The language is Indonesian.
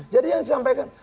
jadi yang disampaikan